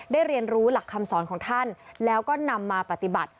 เรียนรู้หลักคำสอนของท่านแล้วก็นำมาปฏิบัติ